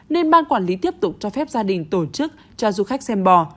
nên ban quản lý tiếp tục cho phép gia đình tổ chức cho du khách xem bò